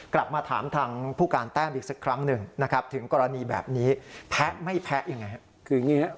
กลับมาถามทางผู้การแท้อีกสักครั้งถึงกรณีแบบนี้แพ้ไม่แพ้อย่างไร